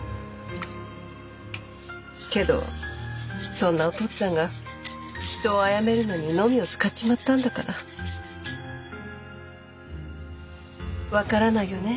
けどそんなお父っつぁんが人を殺めるのにノミを使っちまったんだから。分からないよね